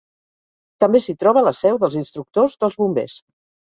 També s'hi troba la seu dels Instructors dels Bombers.